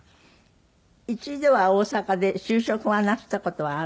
一度は大阪で就職をなすった事はあるんですって？